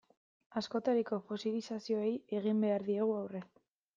Askotariko fosilizazioei egin behar diegu aurre.